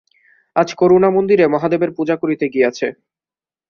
আজ করুণা মন্দিরে মহাদেবের পূজা করিতে গিয়াছে।